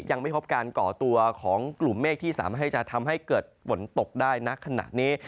ยังไม่พบการก่อตัวของกลุ่มเมฆที่สามารถให้จะทำให้เกิดฝนตกได้ณขณะนี้